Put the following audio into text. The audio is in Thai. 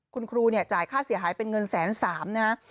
คุณครูเนี่ยจ่ายค่าเสียหายเป็นเงินแสนสามนะฮะ